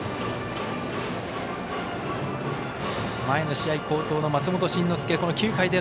前の試合、好投の松本慎之介。